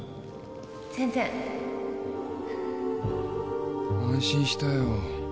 全然安心したよ。